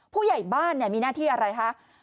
ผู้ใหญ่บ้านมีหน้าที่อะไรคะ